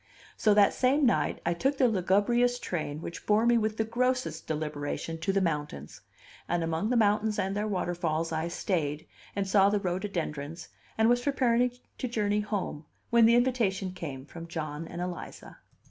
So that same night I took the lugubrious train which bore me with the grossest deliberation to the mountains; and among the mountains and their waterfalls I stayed and saw the rhododendrons, and was preparing to journey home when the invitation came from John and Eliza.